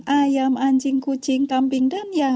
ditambah peliharaan ayam anjing kucing kambing dan ya banyak lagi